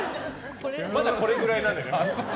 まだこれくらいなんだよね。